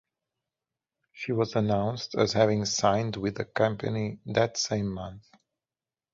She was announced as having signed with the company that same month.